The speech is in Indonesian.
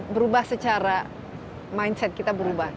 berubah secara mindset kita berubah